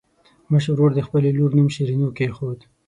مشر ورور د خپلې لور نوم شیرینو کېښود.